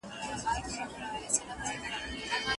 پر بچیو مو ماړه خرامان ګرځي